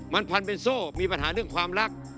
มันพันเป็นโซ่มีปัญหาเรื่องความรัก